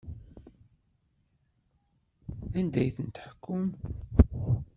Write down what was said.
Anda ay ten-tḥukkem?